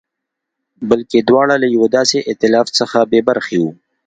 بلکې دواړه له یوه داسې اېتلاف څخه بې برخې وو.